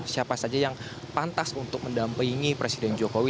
siapa saja yang pantas untuk mendampingi presiden jokowi